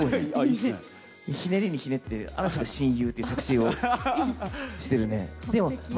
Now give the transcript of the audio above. ひねりにひねって、嵐が親友っていうをしてるね。